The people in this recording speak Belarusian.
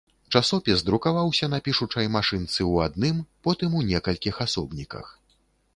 Часопіс друкаваўся на пішучай машынцы ў адным, потым у некалькіх асобніках.